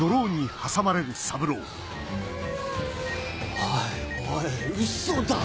おいおいウソだろ！